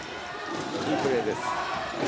いいプレーです。